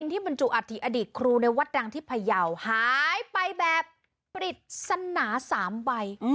บรรจุอัฐิอดีตครูในวัดดังที่พยาวหายไปแบบปริศนา๓ใบ